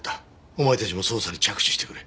お前たちも捜査に着手してくれ。